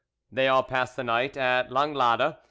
They all passed the night at Langlade.